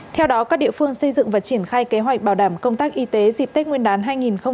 theo đó các địa phương xây dựng và triển khai kế hoạch bảo đảm công tác y tế dịp tết nguyên đán hai nghìn hai mươi